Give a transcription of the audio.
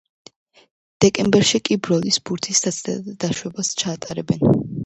დეკემბერში კი ბროლის ბურთის საცდელ დაშვებას ჩაატარებენ.